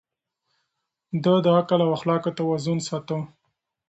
ده د عقل او اخلاقو توازن ساته.